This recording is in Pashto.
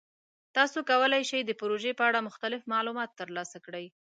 تاسو کولی شئ د پروژې په اړه مختلف معلومات ترلاسه کړئ.